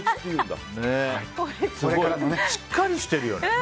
しっかりしてるよね。